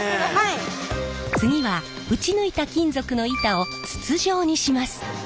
次は打ち抜いた金属の板を筒状にします。